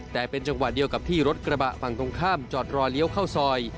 แต่เป็นจังหวะเดียวกับที่รถกระบะฝั่งตรงข้ามจอดรอเลี้ยวเข้าซอย